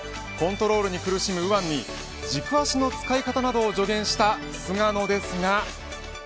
コントロール苦しむ右腕に軸足の使い方などを助言した菅野ですが。